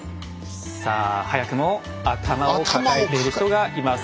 さあ早くも頭を抱えている人がいます。